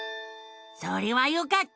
それはよかった！